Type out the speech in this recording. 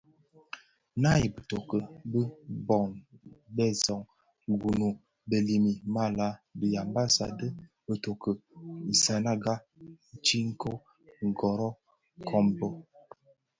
Naa i bitoki bi bon bë Zöň (Gounou, Belibi, malah) di yambassa dhi bitoki bitsem bi zi isananga: Tsingo, kombe, Ngorro,